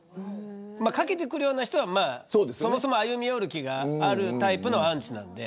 かけてくるような人はそもそも歩み寄る気があるタイプのアンチなんで。